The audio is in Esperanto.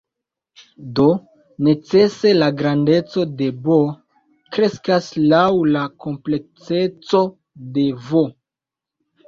Do, necese la grandeco de "B" kreskas laŭ la komplekseco de "V".